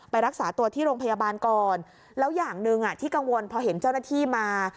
รักษาตัวที่โรงพยาบาลก่อนแล้วอย่างหนึ่งที่กังวลพอเห็นเจ้าหน้าที่มา